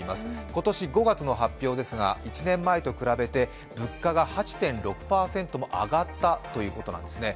今年５月の発表ですが、１年前と比べて物価が８．６％も上がったということなんですね。